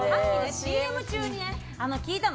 ＣＭ中に聞いたの。